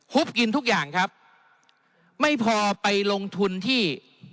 กินทุกอย่างครับไม่พอไปลงทุนที่